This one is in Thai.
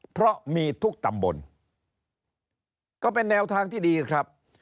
เพราะมีทุกตำบลก็เป็นแนวทางที่ดีครับ